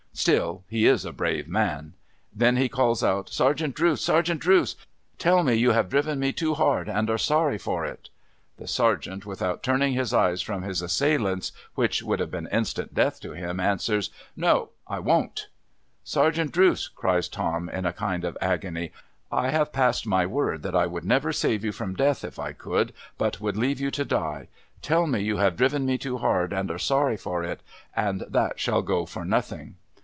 ' Still, he is a brave man.' Then he calls out, ' Sergeant Drooce, Sergeant Drooce ! Tell me you have driven me too hard, and are sorry for it.' The Sergeant, without turning his eyes from his assailants, which would have been instant death to him, answers :' No. I won't.' ' Sergeant Drooce !' cries Tom, in a kind of an agony. ' I have passed my word that I would never save you from Death, if I could, but would leave you to die. Tell me you have driven me too hard and are sorry for it, and that shall go for nothing.'